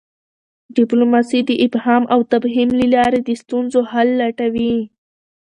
ډیپلوماسي د افهام او تفهیم له لاري د ستونزو حل لټوي.